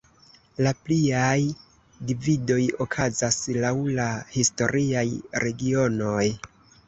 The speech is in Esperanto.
La pliaj dividoj okazas laŭ la historiaj regionoj.